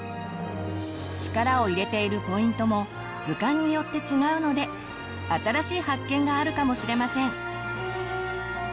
力を入れているポイントも図鑑によって違うので新しい発見があるかもしれません。